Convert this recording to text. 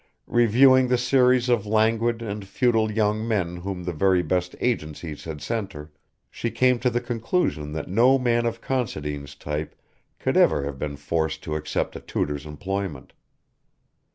Reviewing the series of languid and futile young men whom the very best agencies had sent her, she came to the conclusion that no man of Considine's type could ever have been forced to accept a tutor's employment.